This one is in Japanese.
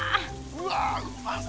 うわうまそ。